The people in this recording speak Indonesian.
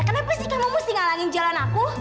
kenapa sih kamu mesti ngalangin jalan aku